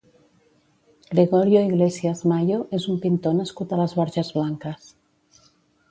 Gregorio Iglesias Mayo és un pintor nascut a les Borges Blanques.